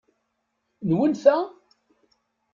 Nwen ta?